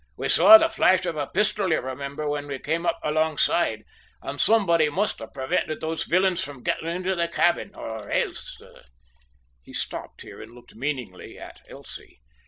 "We saw the flash of a pistol, you remember, when we came up alongside, and somebody must have prevented those villains from getting into the cabin, or else " He stopped here and looked meaningly at Elsie.